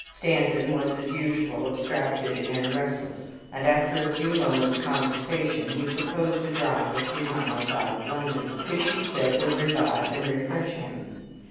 Stanton was as usual abstracted and restless, and, after a few moments' conversation, he proposed a drive a few miles out of London, which he said would revive and refresh him.